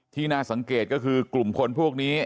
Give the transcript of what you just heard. น่าสังเกตก็คือกลุ่มคนพวกนี้